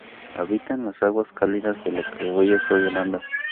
Habitaba en las aguas cálidas de lo que es hoy Holanda, Europa.